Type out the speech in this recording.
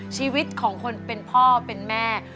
ชีวิตของคนเป็นพ่อเป็นแม่